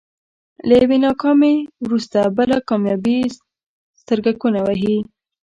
له يوې ناکامي وروسته بله کاميابي سترګکونه وهي.